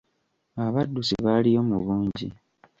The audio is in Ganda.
Abaddusi baaliyo mu bungi.